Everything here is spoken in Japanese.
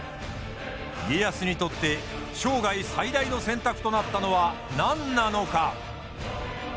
家康にとって生涯最大の選択となったのは何なのか？